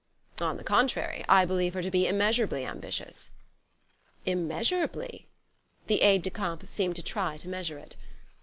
"On the contrary; I believe her to be immeasurably ambitious." "Immeasurably?" The aide de camp seemed to try to measure it.